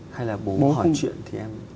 hay là bố hỏi chuyện thì em